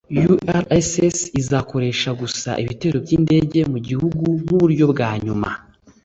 urss izakoresha gusa ibitero byindege mugihugu nkuburyo bwa nyuma